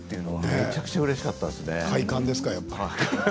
めちゃくちゃうれしかったです。